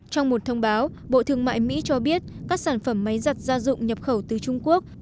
trong một thông báo bộ thương mại mỹ cho biết các sản phẩm máy giặt gia dụng nhập khẩu từ trung quốc